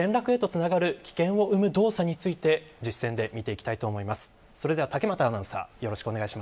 また、転落へとつながる危険を生む動作として実践で見ていきたいと思います。